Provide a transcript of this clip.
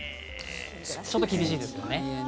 ちょっと厳しいですよね。